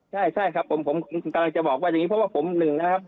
ใช่ใช่ครับผมกำลังจะบอกว่าอย่างนี้เพราะว่าผมหนึ่งนะครับ